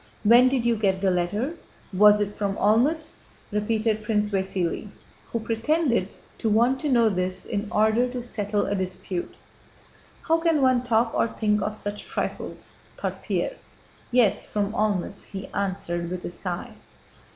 "When did you get the letter? Was it from Olmütz?" repeated Prince Vasíli, who pretended to want to know this in order to settle a dispute. "How can one talk or think of such trifles?" thought Pierre. "Yes, from Olmütz," he answered, with a sigh.